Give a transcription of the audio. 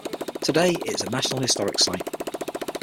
Today it is a national historic site.